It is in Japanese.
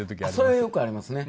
それはよくありますね。